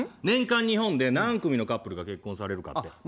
年間日本で何組のカップルが結婚されるかって。